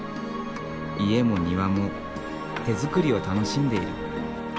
家も庭も手づくりを楽しんでいる。